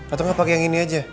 atau gak pake yang ini aja ya